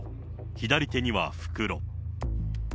左手には袋。